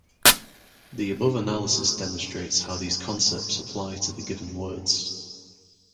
The above analysis demonstrates how these concepts apply to the given words.